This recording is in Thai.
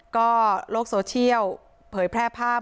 ก็โลกโซเชียลเผยแพร่ภาพ